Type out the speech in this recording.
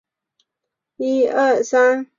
滇南尖叶木为茜草科尖叶木属下的一个种。